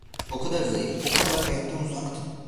O kadar zayıf, o kadar hayattan uzaktı.